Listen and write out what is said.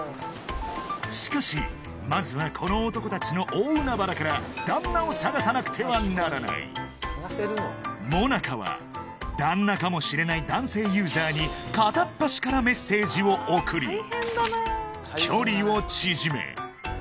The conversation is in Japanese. しかしまずはこの男たちの大海原から旦那を捜さなくてはならないもなかは旦那かもしれない男性ユーザーに距離を縮め